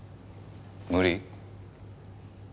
無理？